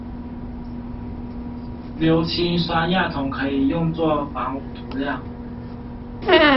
硫氰酸亚铜可以用作防污涂料。